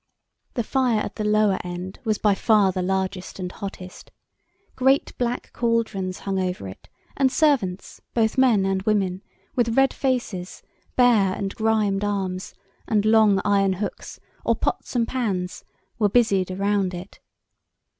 The fire at the lower end was by far the largest and hottest. Great black cauldrons hung over it, and servants, both men and women, with red faces, bare and grimed arms, and long iron hooks, or pots and pans, were busied around it.